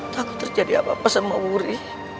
takut terjadi apa apa sama wuri